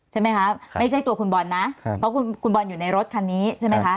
ใช่ไหมคะไม่ใช่ตัวคุณบอลนะเพราะคุณบอลอยู่ในรถคันนี้ใช่ไหมคะ